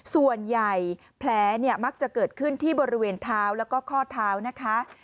ส่วนใหญ่แผลเนี่ยมักจะเกิดขึ้นที่บริเวณเท้าแล้วก็ข้อเท้านะคะ